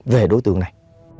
về đối tượng này